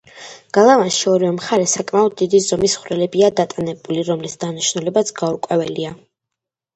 გალავანში ორივე მხარეს საკმაოდ დიდი ზომის ხვრელებია დატანებული, რომლის დანიშნულებაც გაურკვეველია.